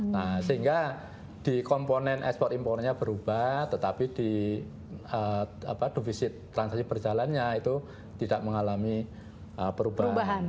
nah sehingga di komponen ekspor impornya berubah tetapi di defisit transaksi berjalannya itu tidak mengalami perubahan